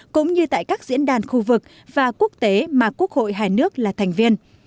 cũng như tại các diễn đàn khu vực và quốc tế mà quốc hội hai nước là thành viên